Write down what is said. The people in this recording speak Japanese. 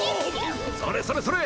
それそれそれ！